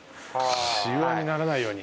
しわにならないように。